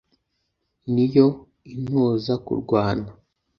Ni yo intoza kurwana